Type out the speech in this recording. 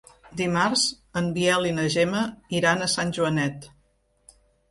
Dimarts en Biel i na Gemma iran a Sant Joanet.